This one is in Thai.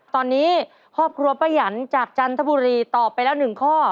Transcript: ตอนนี้คบคลัวประหยันต์จากจันทบุรีต่อไปแล้วหนึ่งข้อ